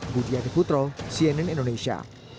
budi anikutro cnn indonesia